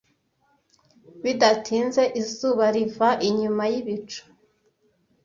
Bidatinze izuba riva inyuma yibicu.